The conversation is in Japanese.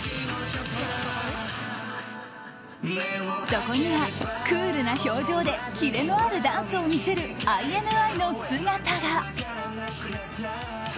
そこには、クールな表情でキレのあるダンスを見せるＩＮＩの姿が。